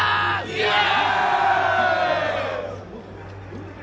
イエーイ！